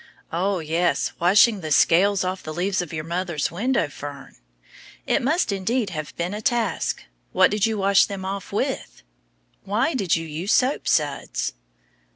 Oh, yes, washing the scales off the leaves of your mother's window fern. It must indeed have been a task; what did you wash them off with? Why did you use soap suds?